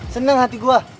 seneng hati gue